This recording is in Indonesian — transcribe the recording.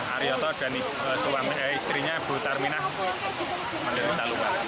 ariyoto dan istrinya butar minah menerima talungan